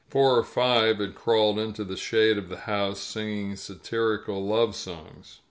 Four or five had crawled into the shade of the house, singing satirical love songs.